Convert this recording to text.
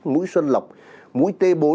mũi xuân lộc mũi t bốn